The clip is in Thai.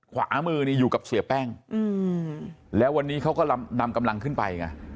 ขวามือนี่อยู่กับเสียแป้งแล้ววันนี้เขาก็นำกำลังขึ้นไปไง